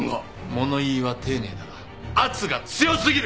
物言いは丁寧だが圧が強過ぎる！